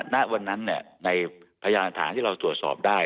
ณวันนั้นในพยานฐานที่เราตรวจสอบได้